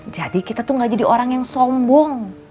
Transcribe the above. jadi kita tuh gak jadi orang yang sombong